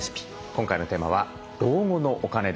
今回のテーマは老後のお金です。